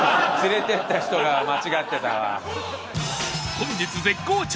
本日絶好調！